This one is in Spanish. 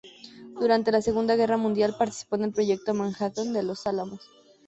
Durante la Segunda Guerra Mundial participó en el Proyecto Manhattan de Los Álamos.